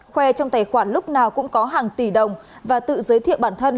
khoe trong tài khoản lúc nào cũng có hàng tỷ đồng và tự giới thiệu bản thân